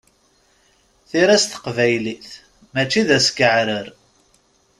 Tira s teqbaylit, mačči d askeɛrer.